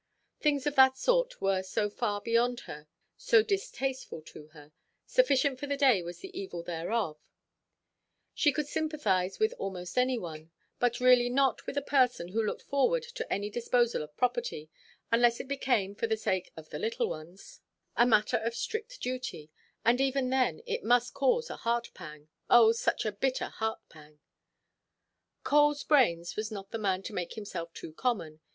Things of that sort were so far beyond her, so distasteful to her; sufficient for the day was the evil thereof; she could sympathize with almost any one, but really not with a person who looked forward to any disposal of property, unless it became, for the sake of the little ones, a matter of strict duty; and even then it must cause a heart–pang—oh, such a bitter heart–pang! "Coleʼs brains" was not the man to make himself too common.